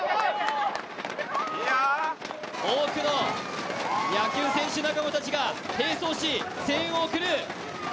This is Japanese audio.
多くの野球選手仲間たちが並走し声援を送る。